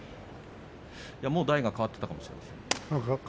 もう代が変わっていたかもしれません。